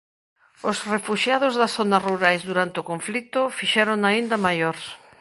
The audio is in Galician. Os refuxiados das zonas rurais durante o conflito fixérona inda maior.